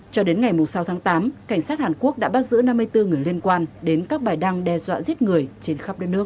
cho đến ngày sáu tháng tám cảnh sát hàn quốc đã bắt giữ năm mươi bốn người liên quan đến các bài đăng đe dọa giết người trên khắp đất nước